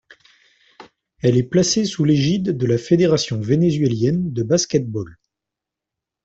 Elle est placée sous l'égide de la Fédération vénézuélienne de basket-ball.